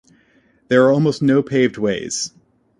There are almost no paved ways.